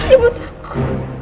ibu tuh aku